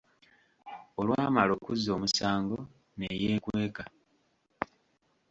Olwamala okuzza omusango ne yeekweka.